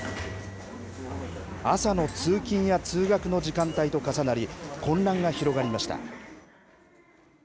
朝の通勤や通学の時間帯と重なり混乱が広がりました。